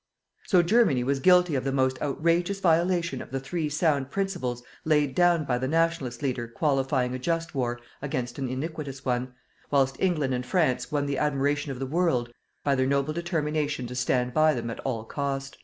So Germany was guilty of the most outrageous violation of the three sound principles laid down by the "Nationalist" leader qualifying a just war against an iniquitous one, whilst England and France won the admiration of the world by their noble determination to stand by them at all cost.